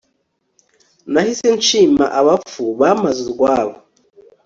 nahise nshima abapfu bamaze urwabo